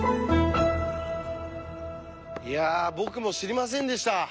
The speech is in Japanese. いや僕も知りませんでした。